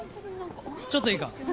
ちょっといいか？